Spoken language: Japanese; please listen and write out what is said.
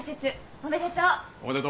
おめでとう！